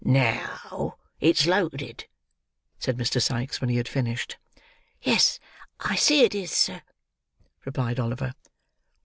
"Now it's loaded," said Mr. Sikes, when he had finished. "Yes, I see it is, sir," replied Oliver.